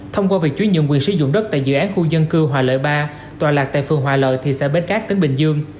thông qua việc chuyển nhượng quyền sử dụng đất tại dự án khu dân cư hòa lợi ba tòa lạc tại phường hòa lợi thị xã bến cát tỉnh bình dương